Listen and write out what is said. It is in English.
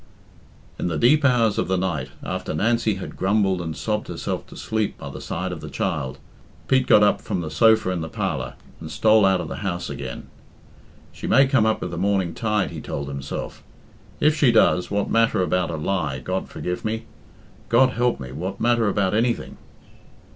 In the deep hours of the night, after Nancy had grumbled and sobbed herself to sleep by the side of the child, Pete got up from the sofa in the parlour and stole out of the house again. "She may come up with the morning tide," he told himself. "If she does, what matter about a lie, God forgive me? God help me, what matter about anything?"